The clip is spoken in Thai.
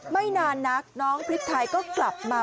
ไม่นานนักน้องพริกไทยก็กลับมา